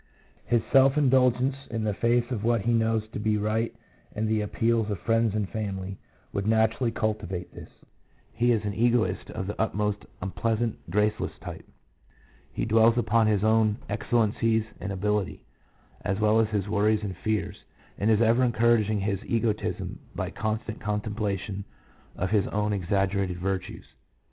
His self indulgence in the face of what he knows to be right and the appeals of friends and family, would naturally cultivate this. He is an egotist of the most unpleasant, graceless type. He dwells upon his own excellencies and ability, as well as his worries and fears, and is ever encouraging his egotism by constant contemplation of his own exaggerated virtues.